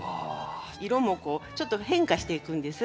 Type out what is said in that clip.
色もこうちょっと変化していくんです。